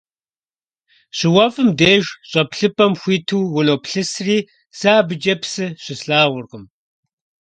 ЩыуэфӀым деж щӀэплъыпӀэм хуиту уноплъысри, сэ абыкӀэ псы щыслъагъуркъым.